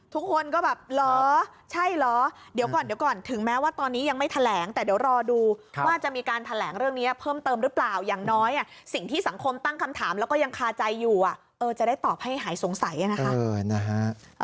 ทุกคนก็แบบเหรอใช่เหรอเดี๋ยวก่อนเดี๋ยวก่อนถึงแม้ว่าตอนนี้ยังไม่แถลงแต่เดี๋ยวรอดูว่าจะมีการแถลงเรื่องนี้เพิ่มเติมหรือเปล่าอย่างน้อยสิ่งที่สังคมตั้งคำถามแล้วก็ยังคาใจอยู่จะได้ตอบให้หายสงสัยนะคะ